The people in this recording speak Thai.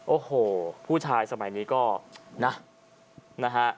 โอ้โหผู้ชายสมัยนี้ก็นะนะฮะ